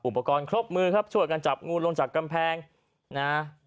อุปกรณ์ครบมือครับช่วยกันจับงูลงจากกำแพงนะ